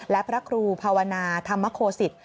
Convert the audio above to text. และพระครูภาวนาธรรมโคศิษฐ